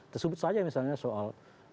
tersebut saja misalnya soal